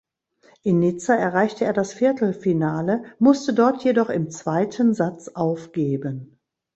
In Nizza erreichte er das Viertelfinale, musste dort jedoch im zweiten Satz aufgeben.